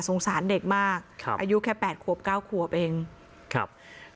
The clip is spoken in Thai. สารเด็กมากครับอายุแค่แปดขวบเก้าขวบเองครับ